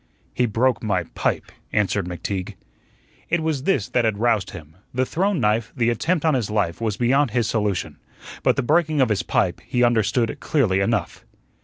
"He broke my pipe," answered McTeague. It was this that had roused him. The thrown knife, the attempt on his life, was beyond his solution; but the breaking of his pipe he understood clearly enough.